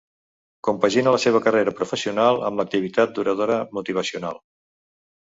Compagina la seva carrera professional amb l'activitat d'oradora motivacional.